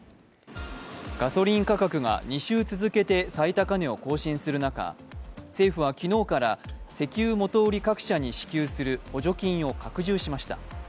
ガソリン価格が２週続けて最高値を更新する中、政府は昨日から石油元売り各社に支給する補助金を拡充しました。